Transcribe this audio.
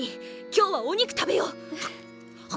今日はお肉食べよう！